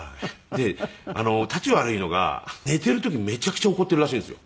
でタチ悪いのが寝ている時めちゃくちゃ怒っているらしいんですよ。